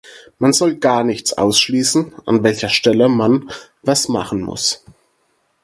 Man soll gar nichts ausschließen, an welcher Stelle man was machen muss.